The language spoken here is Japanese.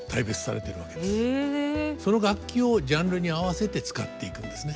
その楽器をジャンルに合わせて使っていくんですね。